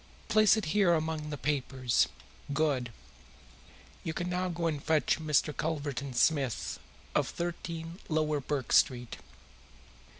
Place it here among the papers. Good! You can now go and fetch Mr. Culverton Smith, of 13 Lower Burke Street."